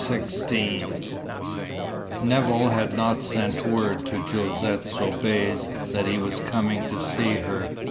XVI Nevill had not sent word to Josette Soubise that he was coming to see her.